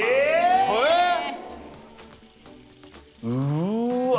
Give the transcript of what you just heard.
うわ。